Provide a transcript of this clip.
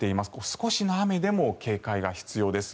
少しの雨でも警戒が必要です。